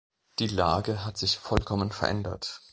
Die Lage hat sich vollkommen verändert.